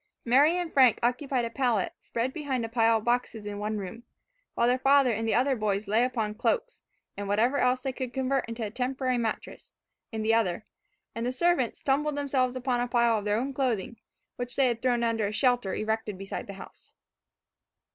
Mary and Frank occupied a pallet spread behind a pile of boxes in one room, while their father and the older boys lay upon cloaks, and whatever else they could convert into a temporary mattress, in the other; and the servants tumbled themselves upon a pile of their own clothing, which they had thrown under a shelter erected beside the house.